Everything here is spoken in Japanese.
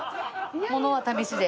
物は試しで。